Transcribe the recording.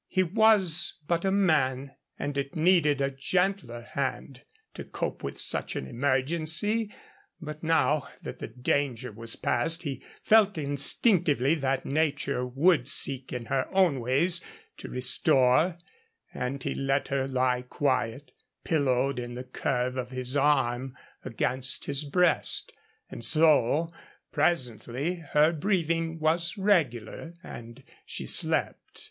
He was but a man, and it needed a gentler hand to cope with such an emergency; but now that the danger was past he felt instinctively that nature would seek in her own ways to restore, and he let her lie quiet, pillowed in the curve of his arm against his breast. And so, presently, her breathing was regular, and she slept.